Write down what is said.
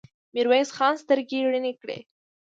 ميرويس خان سترګې رڼې کړې.